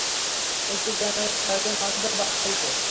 একটি গ্রামে ছয়জন অন্ধ বাস করিত।